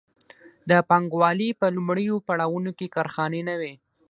د پانګوالۍ په لومړیو پړاوونو کې کارخانې نه وې.